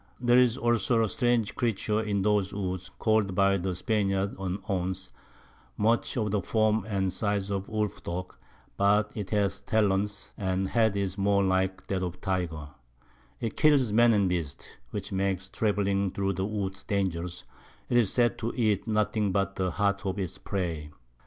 There's also a strange Creature in those Woods, call'd by the Spaniards an Ounce, much of the Form and Size of a Woolf dog; but it has Talons, and the Head is more like that of a Tyger: It kills Men and Beasts, which makes travelling through the Woods dangerous; 'tis said to eat nothing but the Heart of its Prey.